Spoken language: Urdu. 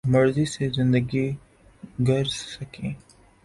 مرضی سے زندگی گرز سکیں